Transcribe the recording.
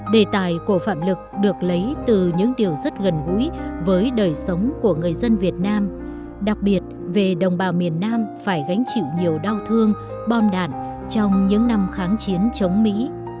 đề tài của phạm lực được lấy từ những điều rất gần gũi với đời sống của người dân việt nam đặc biệt về đồng bào miền nam phải gánh chịu nhiều đau thương bom đạn trong những năm kháng chiến chống mỹ